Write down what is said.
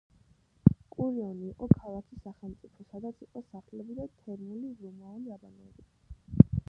კურიონი იყო ქალაქი-სახელმწიფო, სადაც იყო სახლები და თერმული, რომაული აბანოები.